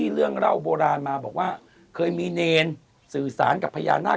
เรื่องราวนี้เป็นยังไงครับ